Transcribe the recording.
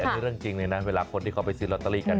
แต่นี่เรื่องจริงเลยนะเวลาคนที่เขาไปซื้อลอตเตอรี่กัน